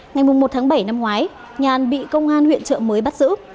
ngày một tháng bảy năm ngoái nhàn bị công an huyện trợ mới bắt giữ